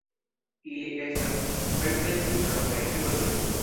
Ili estas sveltaj, kun longaj kruroj.